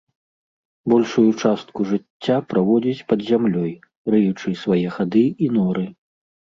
Большую частку жыцця праводзіць пад зямлёй, рыючы свае хады і норы.